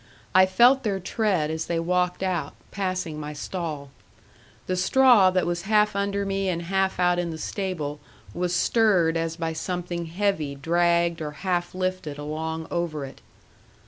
I felt their tread as they walked out, passing my stall. The straw that was half under me and half out in the stable was stirred as by something heavy dragged or half lifted along over it.